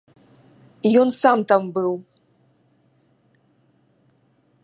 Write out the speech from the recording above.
Ён сам там быў!